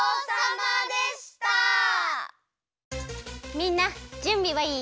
みんなじゅんびはいい？